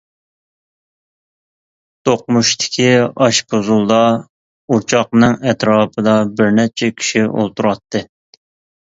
دوقمۇشتىكى ئاشپۇزۇلدا، ئوچاقنىڭ ئەتراپىدا بىرنەچچە كىشى ئولتۇراتتى.